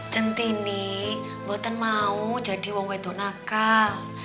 cinti gue gak mau jadi anak nakal